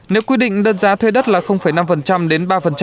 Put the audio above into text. nếu quy định đơn giá thuê đất là năm đến ba